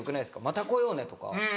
「また来ようね」とか。